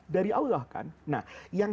dari allah kan